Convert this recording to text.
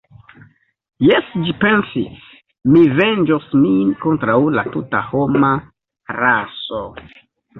Jes, ĝi pensis, mi venĝos min kontraŭ la tuta homa raso!